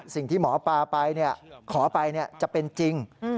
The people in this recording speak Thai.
สิ่งที่หมอปลาไปขอไปจะเป็นจริง